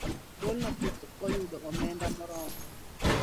Duolno pok oyudo omenda maromo